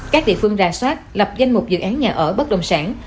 các địa phương ra soát lập danh mục dự án nhà ở bất đồng sản